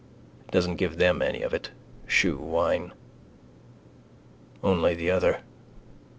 Doesn't give them any of it: shew wine: only the other.